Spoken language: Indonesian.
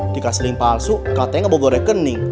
dikasih link palsu katanya gak bawa gorekening